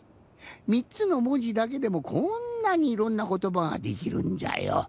３つのもじだけでもこんなにいろんなことばができるんじゃよ。